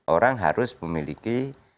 orang harus memiliki